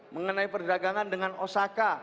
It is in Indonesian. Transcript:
mengenai perdagangan dengan osaka